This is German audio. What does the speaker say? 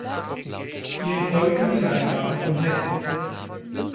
Ihnen folgten die Landgrafen von Hessen.